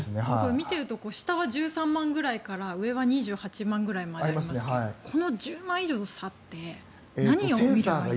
見ていると下は１３万ぐらいから上は２８万ぐらいまでありますけどこの１０万円以上の差って何を見ればいいんですか？